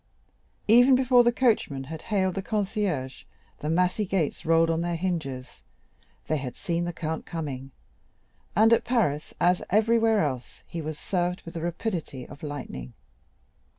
Even before the coachman had hailed the concierge, the massy gates rolled on their hinges—they had seen the Count coming, and at Paris, as everywhere else, he was served with the rapidity of lightning.